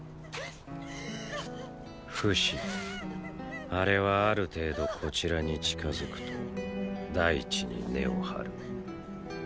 フシあれはある程度こちらに近付くと大地に根をはる。